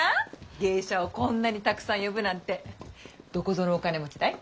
芸者をこんなにたくさん呼ぶなんてどこぞのお金持ちだい？